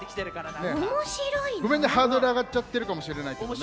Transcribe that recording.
ごめんねハードルあがっちゃってるかもしれないけどね。